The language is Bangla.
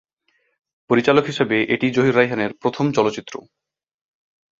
পরিচালক হিসেবে এটিই জহির রায়হানের প্রথম চলচ্চিত্র।